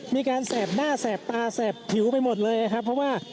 มีการแสบหน้าแสบตาแสบผิวไปหมดเลยครับเพราะว่า